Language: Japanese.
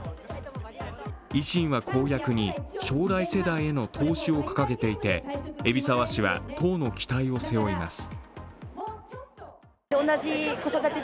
維新は公約に将来世代への投資を掲げていて海老沢氏は党の期待を背負います。